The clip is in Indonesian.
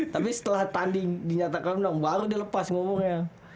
tapi setelah tanding dinyatakan menang baru dia lepas ngomongnya